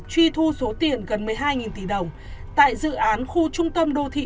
truy thu số tiền gần một mươi hai tỷ đồng tại dự án khu trung tâm đô thị